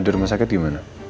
di rumah sakit gimana